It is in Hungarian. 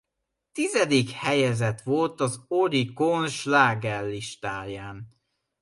Tizedik helyezett volt az Oricon slágerlistáján.